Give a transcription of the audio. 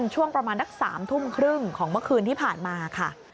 ช่วงประมาณนัก๓ทุ่มครึ่งของเมื่อคืนที่ผ่านมาค่ะ